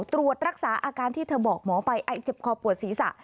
ตรวจรักษาอาการที่เธอบอกหมอไปไอเจ็บคอปวดศีรษะ